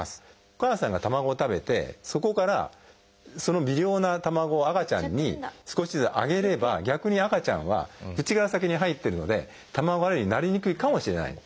お母さんが卵を食べてそこからその微量な卵を赤ちゃんに少しずつあげれば逆に赤ちゃんは口から先に入ってるので卵アレルギーになりにくいかもしれない。